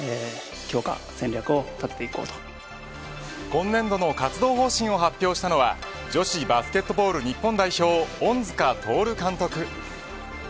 今年度の活動方針を発表したのは女子バスケットボール日本代表恩塚亨監督。